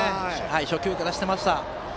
初球からしていました。